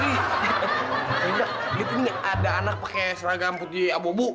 tidak dia tuh ada anak pakai seragam putih abobo